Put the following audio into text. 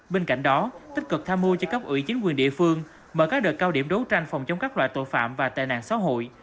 bên cạnh đó tích cực tham mưu cho cấp ủy chính quyền địa phương mở các đợt cao điểm đấu tranh phòng chống các loại tội phạm và tệ nạn xã hội